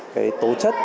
cái tố chất